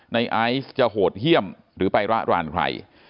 ไอซ์จะโหดเยี่ยมหรือไประรานใคร